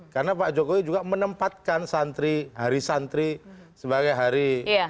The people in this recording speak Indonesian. karena pak jokowi juga menempatkan santri hari santri sebagai hari